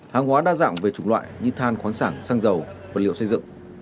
hàng hóa đa dạng về chủng loại như than khoáng sản xăng dầu vật liệu xây dựng